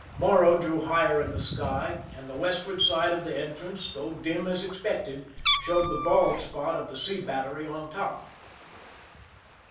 Morro drew higher in the sky, and the western side of the entrance, though dim as expected, showed the bald spot of the sea battery on top.